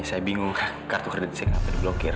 saya bingung kartu kredit saya akan terblokir